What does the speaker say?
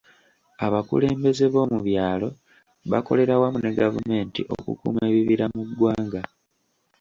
Abakulembeze b'omu byalo bakolera wamu ne gavumenti okukuuma ebibira mu ggwanga.